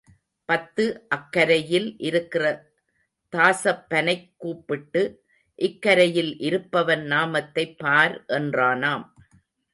பத்து அக்கரையில் இருக்கிற தாசப்பனைக் கூப்பிட்டு இக்கரையில் இருப்பவன் நாமத்தைப் பார் என்றானாம்.